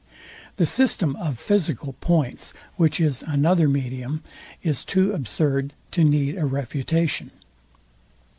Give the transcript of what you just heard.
The system of physical points, which is another medium, is too absurd to need a refutation.